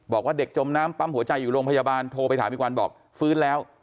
บอกว่าเด็กจมน้ำปั๊มหัวใจอยู่โรงพยาบาลโทรไปถามอีกวันบอกฟื้นแล้ว